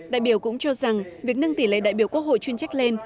đại biểu cũng cho rằng việc nâng tỷ lệ đại biểu quốc hội chuyên trách lên